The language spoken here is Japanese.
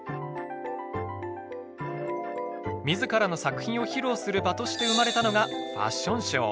自らの作品を披露する場として生まれたのがファッションショー。